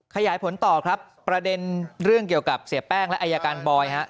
ขยายผลต่อครับประเด็นเรื่องเกี่ยวกับเสียแป้งและอายการบอยฮะ